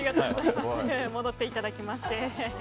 戻っていただきまして。